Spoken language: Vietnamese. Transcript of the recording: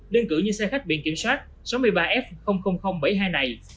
đơn cử như xe khách biển kiểm soát sáu mươi ba f bảy mươi hai này